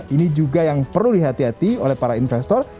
ini juga yang perlu dihati hati oleh para investor